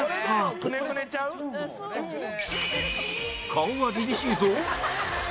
顔は凜々しいぞ！